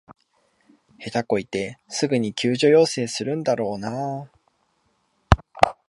下手こいてすぐに救助要請するんだろうなあ